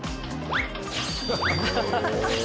ハハハハ！